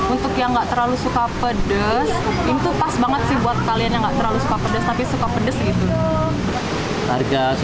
untuk yang gak terlalu suka pedas ini tuh pas banget sih buat kalian yang gak terlalu suka pedas